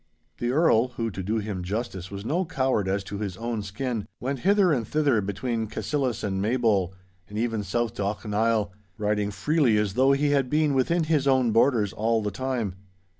The Earl, who, to do him justice, was no coward as to his own skin, went hither and thither between Cassillis and Maybole, and even south to Auchneil, riding freely as though he had been within his own borders all the time.